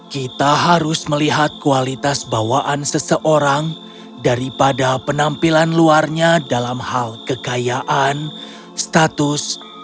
kita harus melihat kualitas bawaan seseorang daripada penampilan luarnya dalam hal kekayaan status